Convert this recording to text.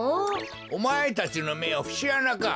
おまえたちのめはふしあなか！